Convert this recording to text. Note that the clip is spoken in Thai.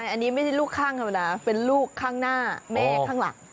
อันนี้ไม่ใช่ลูกข้างธรรมดาเป็นลูกข้างหน้าแม่ข้างหลัง